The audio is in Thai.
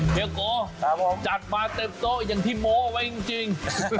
เฮโกจัดมาเต็มโท๊กอย่างทิโม๊ะไว้จริง